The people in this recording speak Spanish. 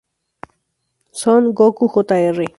Son Gokū Jr.